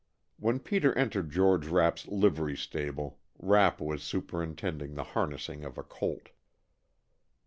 When Peter entered George Rapp's livery stable, Rapp was superintending the harnessing of a colt.